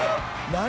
何？